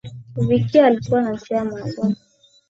Vicki alikuwa na njia maalum